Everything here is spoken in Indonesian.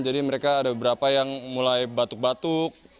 jadi mereka ada beberapa yang mulai batuk batuk